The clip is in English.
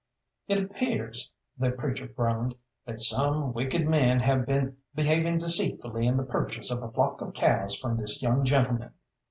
"It appears," the preacher groaned, "that some wicked men have been behaving deceitfully in the purchase of a flock of cows from this young gentleman."